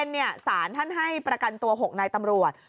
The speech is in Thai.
ตอนเย็นเนี่ยศาลท่านให้ประกันตัว๖นายตำรวจ